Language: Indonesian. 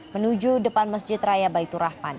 menuju depan masjid raya baitur rahman